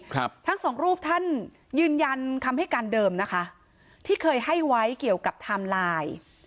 ครับทั้งสองรูปท่านยืนยันคำให้การเดิมนะคะที่เคยให้ไว้เกี่ยวกับไทม์ไลน์